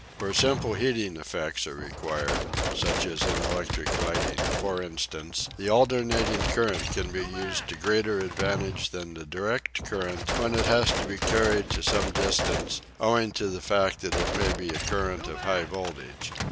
Where simply heating effects are required, such as in electric lighting, for instance, the alternating current can be used to greater advantage than the direct current when it has to be carried to some distance, owing to the fact that it may be a current of high voltage.